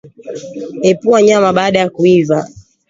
Epua nyama baada ya kuiva